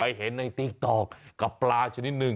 เห็นในติ๊กต๊อกกับปลาชนิดหนึ่ง